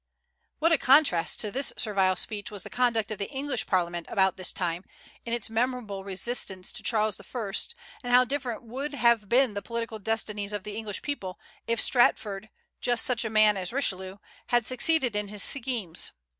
What a contrast to this servile speech was the conduct of the English parliament about this time, in its memorable resistance to Charles I.; and how different would have been the political destinies of the English people, if Stratford, just such a man as Richelieu, had succeeded in his schemes!